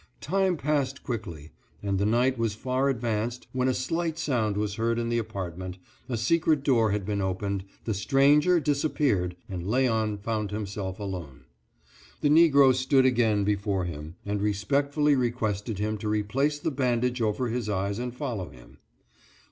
Time passed quickly, and the night was far advanced when a slight sound was heard in the apartment; a secret door had been opened, the stranger disappeared, and Léon found himself alone. The Negro stood again before him, and respectfully requested him to replace the bandage over his eyes and follow him.